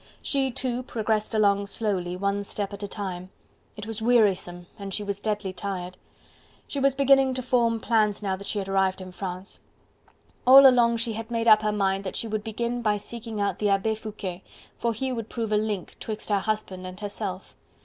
She too progressed along slowly, one step at a time; it was wearisome and she was deadly tired. She was beginning to form plans now that she had arrived in France. All along she had made up her mind that she would begin by seeking out the Abbe Foucquet, for he would prove a link 'twixt her husband and herself.